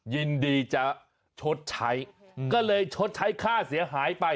ยินดีจะชดใช้ก็เลยชดใช้ค่าเสียหายไป